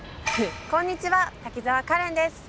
こんにちは滝沢カレンです。